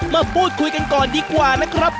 มาพูดคุยกันก่อนดีกว่านะครับ